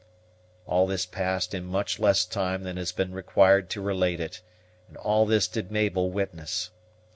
All this passed in much less time than has been required to relate it, and all this did Mabel witness.